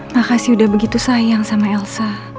makasih udah begitu sayang sama elsa